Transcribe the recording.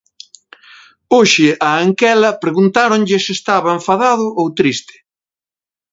Hoxe a Anquela preguntáronlle se estaba enfadado ou triste.